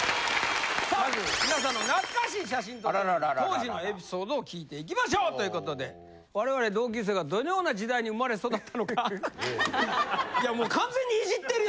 さあ皆さんの懐かしい写真とともに当時のエピソードを聞いていきましょうという事で我々同級生がどのような時代に生まれ育ったのかいやもう。